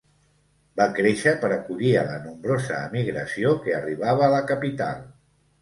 Va créixer per acollir a la nombrosa emigració que arribava a la capital.